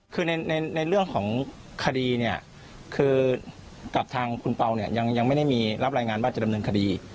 คือในเรื่องของคดีเนี่ยคือกับทางคุณเปล่าเนี่ยยังไม่ได้มีรับรายงานว่าจะดำเนินคดี